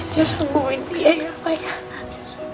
jangan sangguin dia ya pak